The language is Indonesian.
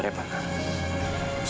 bapak sadarnya pak